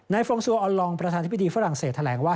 ฟองซัวออนลองประธานธิบดีฝรั่งเศสแถลงว่า